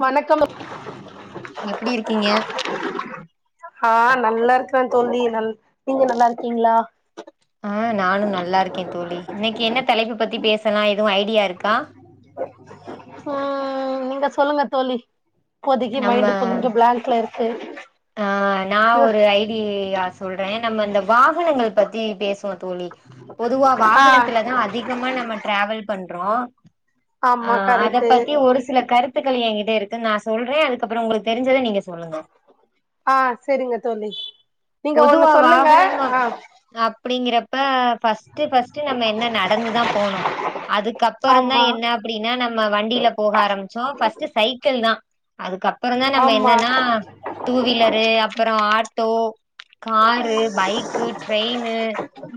வணக்கம் எப்டி இருக்கீங்க? ஆ நல்லா இருக்கற தோழி நல் நீங்க நல்லா இருக்கீங்களா? ஆ நானு நல்லா இருக்கேன் தோழி இன்னைக்கு என்ன தலைப்பு பத்தி பேச இப்பனா எதுவு ஐடியா இருக்கா? ம் நீங்க சொல்லுங்க தோழி இப்போதைக்கு நம்ம மைண்டு கொஞ்சோ பிளாங்க்ல இருக் ச [inaudible] ஆ. நா ஒரு ஐ டி யா... சொல்ற. நம்ம அந்த வாகனங்கள் பத்தி.. பேசுவோ. தோழி பொதுவா ஆ வாகனத்துல தா அதிகமா நம்ம ட்ராவல் பண் ட்ரோ அ ஆமா அத கரெக்ட்டு பத்தி ஒரு சில கருத த்துக்கள் ஏங்கிட்ட இருக்குன் நா சொல்றே அதுக்கப்றொ உங்களுக் தெரிஞ்சத நீங்க சொல்லுங்க ஆ செரிங்க தோழி நீங்க ஒண்ணு பொதுவா சொல்லுங்க வாகனம் அப் ஆ அப்டிங்கிறப்ப ஃபஸ்ட்டு ஃபஸ்ட்டு நம்ம என்ன நடந்துதா போனோ அதுக்கப்பறந்தா ஆமா என்ன அப்புடினா நம்ம வண்டில போக ஆரம்ச்சோ ஃபஸ்ட்டு சைக்கள் தா அதுக்கப்பறந்தா நம்ம ஆமா என்னன்னா டூ வீலரு அப்பறோ auto car bike train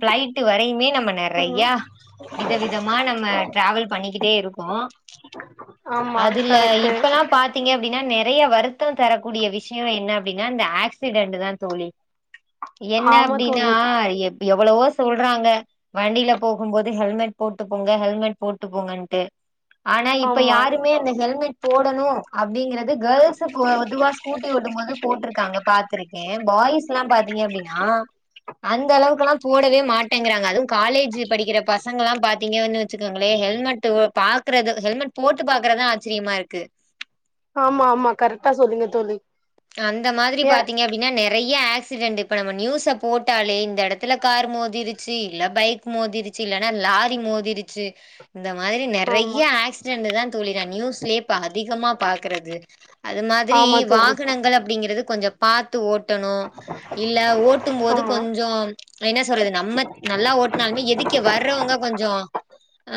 flight வரையுமே நம்ம ம் நெறையா விதவிதமா நம்ம ட்ராவல் பண்ணிக்கிட்டே இருக்கோ ஆமா அதுல கரெக்ட்டு இப்பலா பாத்தீங்க அப்டி நெறைய வருத்தொ தரக்கூடிய விஷ் ஷியொ என்ன அப்டினா இந்த ஆக்சிடென்டு தா தோழி என்ன ஆமா அப்டினா தோழி எப் எவ்ளவோ சொல்றாங்க வண்டில போகும்போது ஹெல்மெட் போட்டு போங்க ஹெல்மெட் போட்டு போங்கன்ட்டு ஆனா இப்ப ஆமா யாருமே அந்த ஹெல்மெட் போடணு அப்டிங்கிற து கேல்ஸ்க்கு பொதுவா கூட்டி விடும்போது போட்டிருக்காங்க பாத்துருக்கேன் பாய்ஸ்ல்லா பாத்தீங்க அப்டினா அந்த அளவுக்ல்லா போடவே மாட்டேங்கிறாங்க அதுவு காலேஜ் படிக்கிற பசங்கலா பாத்தீங்க வந்து வெச்சுக்கோங்களேன் ஹெல்மெட் பா க்கிறது ஹெல்மெட் போட்டு பாக்கறதுதா ஆச்சரியமா இருக்கு ஆமா ஆமா கரெக்டா சொல்றீங்க தோழி அந்த மாதிரி ஏ பாத்தீங்க அப்டினா நெற நெறய ஆக்சிடென்ட் இப்ப நம்ம நியூஸ போட்டாலே இந்த எடத்துல கார் மோதிருச்சு இல்ல பைக் மோதிருச்சு இல்லனா லாரி மோதிருச்சு இந்த மாரி நெறைய ஆமா ஆக்சிடென்டுதா தோழி நா நியூஸ்லயே இப்ப அதிகமா பாக்கறது அது மாதிரி ஆமா தோழி வாக் அப்டிங்கறது கொஞ்ச பாத் து ஓட்டணு இல்ல ஓட்டும் போது ஆமா கொஞ்சோ என்ன சொல்றது நம்மத் நல்லா ஓட்னாலுமே எதிக்க வர்றவங்க கொஞ்சோ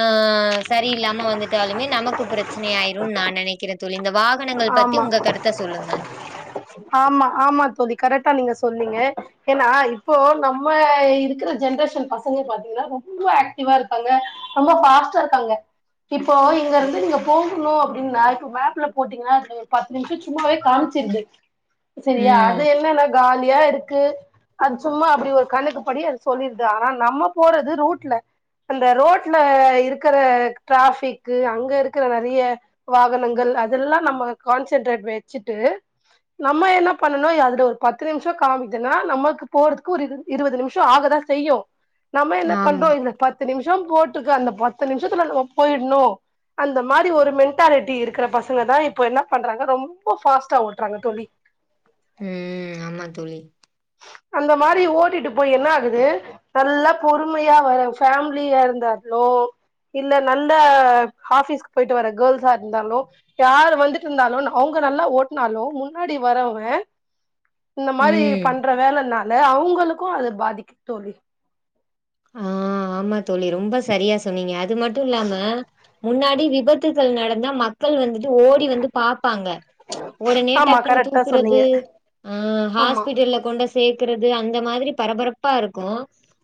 ஆ ‌ஆ அ சரி இல்லாம வந்துட்டாலுமே நமக்கு பிரச்சனை ஆயிருன் நா நெனைக் க்கிறே தோழி இந்தப் வாகனங்கள் பத்தி ஆமா உங்க கருத்த சொல்லுங்க ஆமா ஆமா தோழி கரெக்டா நீ ங்க சொன்னீங்க ஏன்னா இப்போ நம்ம இருக்கற ஜென்ரேஷன் பசங்கள பாத்தீங்கனா ரொம்ப ஏக்டிவ்வா இருக்காங்க ரொம்ப ஃபாஸ்டா இருக்காங்க இப்போ இங்கருந்து நீங்க போகுணு அப்பிடின்னா இப்ப மேப்ல போட்டீங்கன்னா அதுல ஒரு பத்து நிமிஷோ சும்மாவே காமிச்சிருது சரியா ம். அது என்னென்னா காலியா இருக்கு க்கு அது சும்மா அப்டி ஒரு கணக்கு படி அது சொல்லிருக்கு ஆனா நம்ம போறது ரோட்ல அந்த ரோட்ல இருக்குற டிராஃபிக்கு அங்க இருக்குற நெறைய வாகனங்கள் அது அதெல்லாம் நம்ம கான்சென்ட்ரேட் வெச்சுட்டு நம்ம என்ன பண்ணணு அதுல ஒரு பத்து நிமிஷம் காமிக்குதுன்னா நமக்கு போறதுக்கு ஒரு இரு இருபது நிமிஷம் ஆகதா செய்யு நம்ம என்ன பண்றோ ஆமா. இதுல பத்து நிமிஷ் கொஞ்சோ கோட்டுக்கு அந்த பத்து நிமிஷத்துல போயின்னு அந்த மாரி ஒரு மென்டாலிட்டி இருக்கிற பசங்க பசங்க தா இப்ப என்ன பண்றாங்க ரொம்ப பாஸ்ட்டா ஓட்டுறாங்க தோழி ம். ஆமா தோழி. அந்த மாரி ஓட்டிட்டு போய் என்ன ஆகுது நல்ல பொறுமையா வர ஃபேமிலிய இருந்தாலோ இல்ல நல்ல ஆஃபீஸ்க்கு போயிட்டு வர கேல்ஸ்ஸா இருந்தாலோ யாரு வந்துட்டு இருந்தாலு அவுங்க நல்லா ஓட்னாலு முன்னாடி வரவே உம் வேலனால அவுங்குளுக்கூ அது பாதிக் தோழி ஆ ஆமா தோழி ரொம்ப சரியா சொன்னீங்க அது மட்டும் இல்லாம முன்னாடி விபத்துக்கள் நடந்தா மக்கள் வந்து ட்டு ஓடி வந்து பாப்பாங்க உடனே ஆமா டக்குன்னு கரெக்டா சொன்னீங்க தூக்குறது ஆ ஆமா ஹாஸ்பிட்டல்ல கொண்டு சேர்க்றது அந்த இந்த மாதிரி பரபரப்பா இருக்கு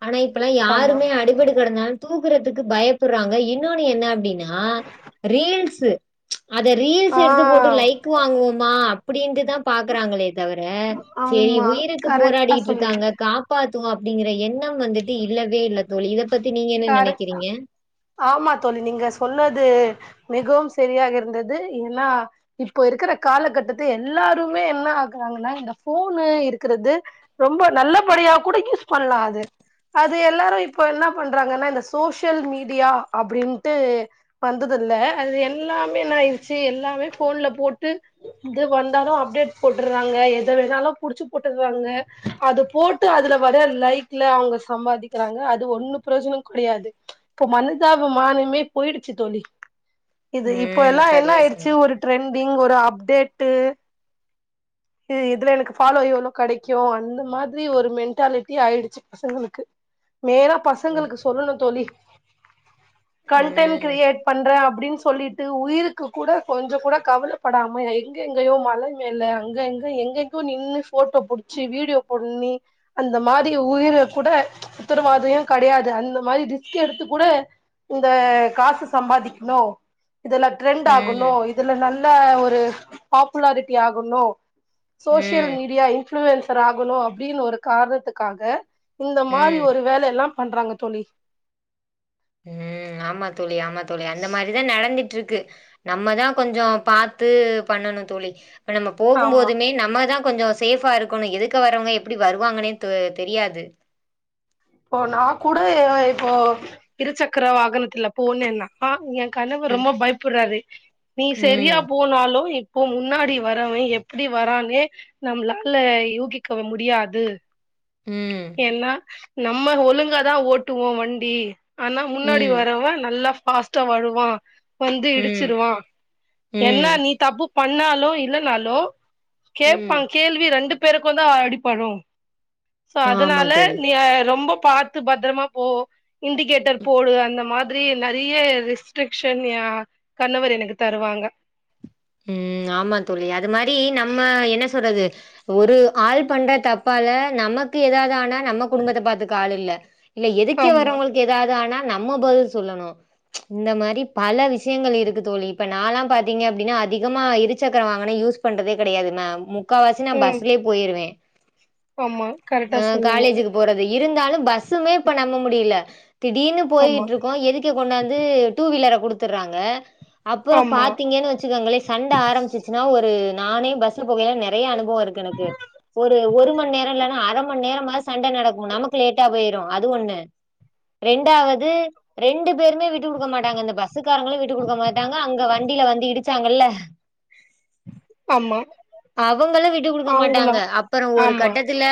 ஆனா இப் அப்பல்லா ஆமா யாருமே அடிப்பட்டு கடந்தாலு தூக்குறதுக்கு பயப்புற்றாங்க இன்னொன்னு என்ன அப்டின்னா ரீல்ஸ்ஸு அத ரீல்ஸ் ஆ எடுத்து போட்டு லைக் வாங்குவோம் மா ஆ அப்டின்டு தா பாக்ராங்களே தவிர சரி ஆமா உயிருக்கு கரெக்டா போராடிட்டு சொன்னீங்க இருக்காங்க காப்பாத் னு அப்டிங்கிற எண்ணம் வந்துட் இது இல்லவே தோழி இத கரக்ட் தா நினைக்கிறீங்க? ஆமா தோழி நீங்க சொன்னது மிகவு சரியாக இருந்தது ஏன்னா இப்ப இருக்குற காலக்கட்டத்து எல்லாருமே என்ன ஆக்குறாங்கன்னா இந்த ஃபோனு இருக்கறது ரொம்ப நல்லபடியா கூட யூஸ் கொல்லாது அது அது எல்லாரு இப்ப எல்லாம் என்ன பண்றாங்கன்னா இந்த சோஷியல் மீடியா அப்டின்ட்டு வந்துதில்ல அது எல்லாமே ஆய்டுச்சு எல்லாமே ஃபோன்ல போட்டு இது வந்தாலு அப்டேட் போட்டுற்றாங்க எத வேணாலு புடிச்சு போட்டுற்றாங்க அது போட்டு அதுல வர லைக்ல அவுங்க சம்பாதிக்கிறாங்க அது ஒண்ணு பிரோஜனம் கிடையாது இப்ப மன்தாப மானமே போயிடுச்சு தோழி இது இப்ப ம். எல்லா என்ன சரியா ஆயிடுச்சு சொன்னீங்க. ஒரு ட்ரெண்டி ஒரு அப்டேட்டு இது இதுல எனக்கு பாலோவ் இவ்ளோ கெடைக்கு அந்த மாதிரி ஒரு மென்டாலெட்டி ஆயிடுச்சு பசங்களுக்கு நேர ம். பசங்களுக்கு சொல்லணும் தோழி கன்டென் ம். கிரியேட் பண்றே அப்டி அப்டின்னு சொல்லிட்டு உயிருக்கு கூட கொஞ்சோ கூட கவலப்படாம எங்க எங்கேயோ மலைங்கள்ல மேல அங்க எங்க எங்கெங்கோ நின்னு போட்டோ புடிச்சி வீடியோ பண்ணி அந்த மாதி உயிரக் குட உத்தரவாதயே கடையாது அந்த மாரி ரிஸ்க் எடுத்து கூட இந்த காசு சம்பாதிக்னோ இதுல டிரெண்ட் ஆகுனோ ம். இதுல நல்ல இதுல ஒரு பாப்புலாரிட்டி ஆகணும் சோஷியல் ம். மீடியா இன் இப்ளுன்சர் ஆகணு அப்டின்னு ஒரு காரணத்துக்காக இந்த மாரி ஒரு வேலயெல்லாம் பண்றாங்க தோழி ம் ஆமா தோழி ஆமாத் தோழி அந்த மாரிதா நடந்திட் ட்ருக்கு நம்மதா கொஞ்சோ பாத்து பண்ணணு தோழி ப்ப நம்ம போகும் ஆமா போதுமே நம்மதா கொஞ்சோ சேஃபா இருக்கணு எதுக்க வரவங்க எப்பிடி வருவாங்கனே தொ தெரியாது இப்போ நா கூட அ இப்போ இருசக்கர வாகனத்துல போனேன்னா எ கணவ ம். ரொம்ப பயப்புர்றாரு நீ ம். செரியா போனாலு இப் ப்போ முன்னாடி வரவே எப்டி வரானே நம்ளால யூகிக்கவ முடியாது ம். என்னா நம்ம ஒழுங்காதா ஓட்டுவோ வண்டி ஆனா முன்னாடி ம் வரவ நல்லாஃப் ஃபாஸ்ட்டா வருவா வந்து ம் இடிச்சிருவா என்னா ம் நீ தப்புப் பண்ணாலு இல்லனாலு கேட்பா ம் கேள்வி ரண்டுப் பேருக்குந்தா அடிப்படு சோ ஆமா அதனால தோழி நீ ஏ ரொம்பப் பாத்து பத்தரமா போ இண்டிகேட்டர் போடு அந்த மாதிரி நெறைய ரிஸ்ட்ரிக்ஸன் எ கணவர் எனக்கு தருவாங்க ம் ஆமா தோழி அது மாரி நம்ம என்ன சொல்றது ஒரு ஆள் பண்ற தப்பால நமக்கு எதாது ஆனா நம்ம குடும்பத்த பாத்துக்க ஆள் இல்ல இல்ல எதுக்கே ஆமா வரவங்களுக் எதாது ஆனா நம்ம பதில் சொல்லணு இந்த மாரி பல விஷ்யங்கள் இருக்கு தோழி இப்ப நாலா பாத்தீங்க அப்டினா அ திகமா இருச்சக்கர வாகனோ யூஸ் பண்றதே கெடையாது மேம் மு க்காவாசி நா ம் பஸ்லியே போயிருவே ஆமா கரெக்ட்டா ஆ சொன்னீங்க. காலேஜுக்கு போறது இருந்தாலு பஸ்ஸுமே இப்ப நம்ப முடியல. திடீனு ஆமா போயிட்ருக்கோ எதுக்க கொண்டாந்து டூவிலர குடுத்துர்றாங்க அப்பறோ ஆமா பாத்தீங்கன்னு வச்சுக்கங்களே சண்ட ஆரம்புச்சிச்சுன்னா ஒரு நானே பஸ்சுபோகயில நெறையா அனுபவோ இருக்கு எனக்கு ஒரு ஒருமண்நேரோ இல்லன்னா அரமணி நேரமாது சண்டை நடக்கு நமக்கு லேட்டாபேயிரும் அது ஒண்ணு ரெண்டாவது ரெண்டு பேருமே விட்டு குடுக்க மாட்டாங்க இந்த பஸ்ஸுக்காரங்களும் விட்டு குடுக்க மாட்டாங்க அங்க வண்டில வந்து இடிச்சாங்கல்ல ஆம்மா அவுங்களு விட்டு குடுக்க மாட்டாங்க அப்பறோ ஒரு ஆமா கட்டத்துல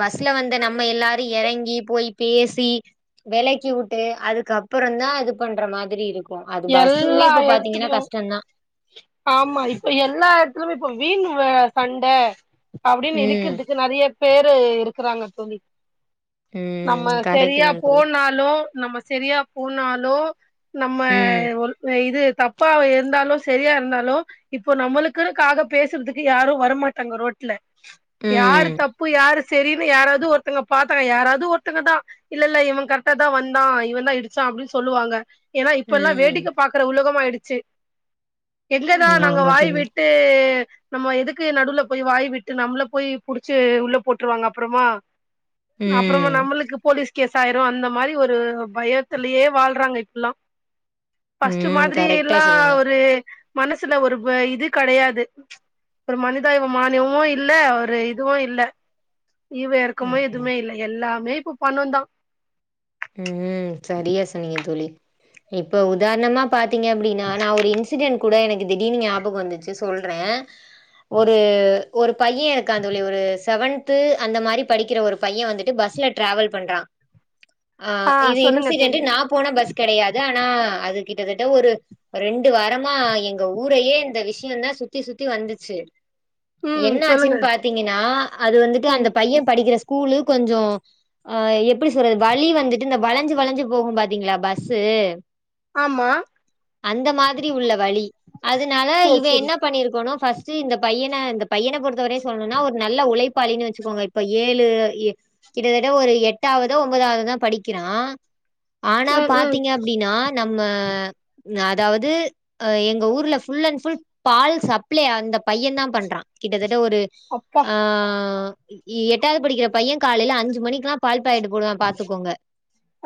பஸ்ல வந்த நம்ம எல்லாரு எறங்கி போய் பேசி வெளக்கி வுட்டு அதுக்குப்பறந்தா இது பண்ற மாதிரி இருக்கும். அது பஸ்மே எல்லா இப்ப பாத்தீங்கன்னா எடத்துலயு கஷ்டந்தா. ஆமா இப்ப எல்லா எடத்துலயுமே வீண் வ சண்ட அப்டின்னு ம். இழுக்கிறதுக்கு நெறையா பேரு இருக்குறாங்க தோழி. நம்ம ம் கரெக்ட்டு சரியா தா தோழி போனாலு நமக் சரியா போனாலோ நம்ம ம் ஒரு இது தப்பாவே இருந்தாலு சரியா இருந்தாலோ இப்போ நம்மளுக்குன்னுக் காக பேசுறதுக்கு யாரும் வரமாட்டாங்க ரோட்ல யாரு ம் தப்பு யாரு சரின்னு யாராவது ஒருத்தங்க பாத்தங்க யாராவது ஒருத்தங்கதா இல்ல இல்ல இவன் கரெக்டாதா வந்தா இவன்தா இடிச்சான் அப்டின்னு சொல்லுவாங்க. ஏன்னா இப்ப எல்லா ம் வேடிக்க பாக்குற உலகமாயிடுச் செரி எங்கதா ம் நாங்க ஆமா வாய் தோழி விட்டு நம்ம எதுக்கு நடுவுல போயி வாய் விட்டு நம்மள போய் புடிச்சு உள்ள போட்டுருவாங்க அப்பறமா அப்பறமா ம் நம்மளுக்கு போலீஸ் கேஸ் ஆயிரு அந்த மாரி ஒரு பயத்துலையே வாழ்றாங்க இப்பல்லா ஃபர்ஸ்ட் ம் மாதிரி கரெக்டா எல்லா சொன்னீங்க ஒரு மனசுல ஒரு இது கெடையாது ஒரு மனிதாபிமானியமு இல்ல ஒரு இதுவு இல்ல ஈவு எறக்கமு ம் எதுவுமே இல்ல எல்லாம் மே இப்ப பணெந்தா ம் சரியா சொன்னீங்க தோழி இப்ப உதாரணமா பாத் ங்க அப்படினா நா ஒரு இன்சிடென்ட் கூட எனக்கு திடீர்னு ஞாபகம் வந்துச்சு சொல்ற ஒரு ஒரு பையன் எனக்கு [unintelligible] ஒரு செவன் தத்து அந்த மாரி படிக்கிற ஒரு பையன் வந்துட்டு பஸ்ல டிராவல் பண்றா ஆஹ் ஆ இது சொல்லுங்க இன்சிடென்ட் தோழி நா போன பஸ் கிடையாது ஆனா அது கிட்டத்தட்ட ஒரு ரெண்டு வாரமா எங்க ஊரையே இந்த விஷயந்தான் சுத்தி சுத்தி வந்துச்சு ம் என்ன சொல்லுங்க ஆச்சுன்னு பாத்தீங்கன்னா அது வந்துட்டு அந்த ம் பையன் படிக்கிற ஸ்கூ கூலு கொஞ்சோ அ எப்படி சொல்றது வழி வந் வந்துட்டு இந்த வளஞ்சு வளஞ்சு போகும் பாத்தீங்களா பஸ்சு ஆமா அந்த மாதிரி உள்ள வழி அதுனால சேரி இவ சேரி என்ன பண்ணிருக்கணு பர்ஸ்ட் இந்த பையன இந்த பையன பொறுத்தவரையு சொல்லணுனா ஒரு நல்ல உழைப்பாளினு வெச்சுக்கோங்க இப்ப ஏழு ஏ கிட்டத்தட்ட ஒரு எட்டாவதோ ஒன்பதாவதோ தா படிக்கிறா ஆனா ம் ம் பாத்தீங்க அப்படினா நம்ம அதாவது எங்க ஊர்ல ஃபுல் அன் ஃபுல் பால் சப்ளை அந்த பையன் தா பண்றான் கிட்டத்தட்ட எந்த ஒரு அப்பா ஆ எட்டாவது படிக்கிற பையன் காலையில அஞ்சு மணிக்கெல்லா பால் சைடு போடுவா பாத்துக்கோங்க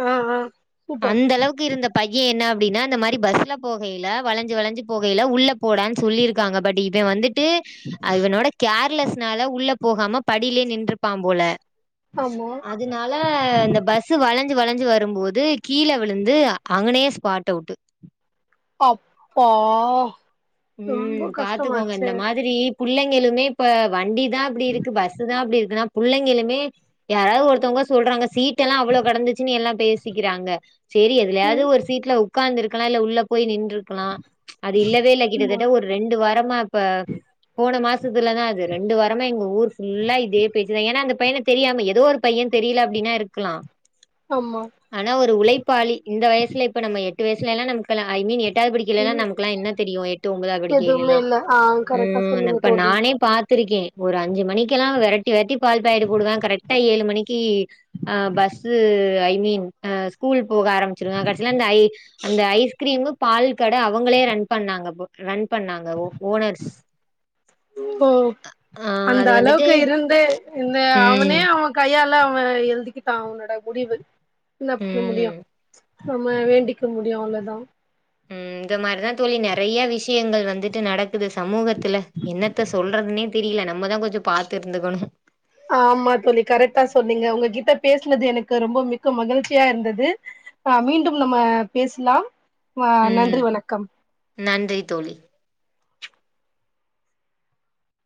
ஆ ஆ கூப்பிர்ற அந்த அளவுக்கு இருந்த பையன் என்ன அப்படின்னா இந்த மாரி பஸ்ல போகையில வளஞ்சு வளஞ்சு போகையில உள்ள போடானு சொல்லிருக்காங்க பட் இவ வந்துட் டு இவனோட கேர்லஸ் னால உள்ள போகாம படியிலே நின்று பாம் போல ஆமா அதனால இந்த பஸ் வளஞ்சு வளஞ்சு வரும்போது கீழ விழுந்து அங்கனயே ஸ்பாட் அவுட்டு் அப்பா ம் ரொம்ப பாத்துக்கோங்க கஷ்டமாச்சே இந்த மாதிரி புள்ளைங்களுமே இப்ப வண்டி தா அப்படி இருக்கு பஸ் தா அப்படி இருக்குன்னா பிள்ளைங்களுமே யாராவது ஒருத்தவங்க சொல்றாங்க சீட் ட்டுல்லா அவ்ளோ கடந்துச்சுன்னு எல்லா பேசிக்கிறாங்க சேரி எதிலியாவது ம் ஒரு சீட்ல உ உட்காந்து இருக்கலா இல்ல உள்ள போய் நின் ன்று இருக்கலா அது இல்லவே இல்ல ஆமா கிட்டத்தட்ட ஒரு ரெண்டு வாரமா இப்ப போன மாசத்துலதா அது ரெண்டு வாரமா எங்க ஊர் ஃபுல்லா இதே பேச்சுதான் ஏா அந்த பையனை தெரியாம ஏதோ ஒரு பையன் தெரியல அப்படின்னா இருக்கலா ஆமா ஆனா ஒரு உழைப்பாளி இந்த வயசு இல்ல இப்ப நம்ம எட்டு வயசுலலாம் நமக்குல ஐ மீன் எட் எட்டாவது படிக்கலேனா ம் நமக்குலா என்ன தெரியு எட் எதுவுமே இல்ல ஆ கரெக்டா சொன்னீங்க தோலி கத்துருக்கே ஒரு அஞ்சு மணிக்கெல்லா வெரட்டி வெரட்டி பால் பக்கெட்டு போடுவே கரெக்டா ஏழு மணிக்கு ஆ bus I mean a school போக ஆரமிச்சிருவே கடைசில அந்த ஐ அந்த ஐஸ்கிரீமு பால்ப் கட அவங்களே ரன் பண்ணாங்க வன் ஓ ஆ அந்த அது வந்துட்டு அளவுக்கு இருந்து இந்த அவனே ம், அவ கையாள [unintelligible] அவன் எழுதிக்கிட்டா அவனோட முடிவு என்ன பண்ண முடியோ ம், நம்ம வேண்டிக்க முடியோஅவ்ளதா ம் இந்த மாரிதா தோலி நறைய விஷ் விஷயங்கள் வந்துட்டு நடக் குது சமூகத்துல என்னத்த சொல்றதுனேத் தெரில நம்மதா கொஞ்சோ பாத்து இருந்துக்கணோ ஆமா தோழி கரெக்டா சொன்னீங்க உங்ககிட்ட பேசுனது எனக்கு ரொம்ப மிக்க மகிழ்ச்சியா இருந்தது ஆஹ் மீண்டும் நம்ம பேசலாம் ஆஹ் ம். நன்றி வணக்கம் நன்றி தோழி